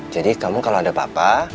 jadi kamu kalau ada papa